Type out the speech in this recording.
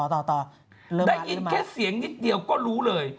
ได้ยินแค่เสียงนิดเดียวก็รู้เลย